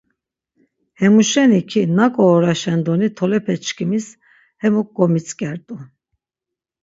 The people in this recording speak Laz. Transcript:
Hemu şeni ki naǩo oraşen doni tolepeçkimis hemuk gomitzǩert̆u.